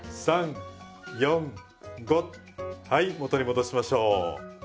はい元に戻しましょう。